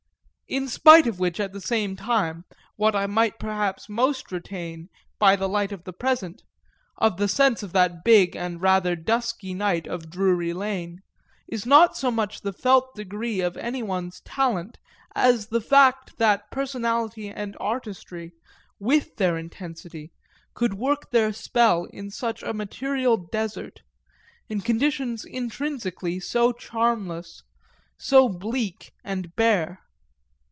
In spite of which, at the same time, what I perhaps most retain, by the light of the present, of the sense of that big and rather dusky night of Drury Lane is not so much the felt degree of anyone's talent as the fact that personality and artistry, with their intensity, could work their spell in such a material desert, in conditions intrinsically so charmless, so bleak and bare.